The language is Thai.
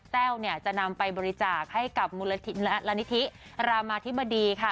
แต้วเนี่ยจะนำไปบริจาคให้กับมูลนิธิรามธิบดีค่ะ